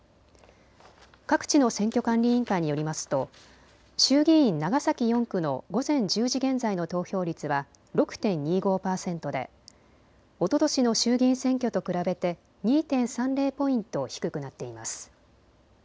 各地の選挙管理委員会によりますと衆議院長崎４区の午前１０時現在の投票率は６．２５％でおととしの衆議院選挙と比べて２．３０ポイント低くなっています。